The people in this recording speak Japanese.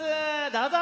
どうぞ！